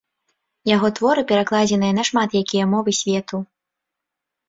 Яго творы перакладзеныя на шмат якія мовы свету.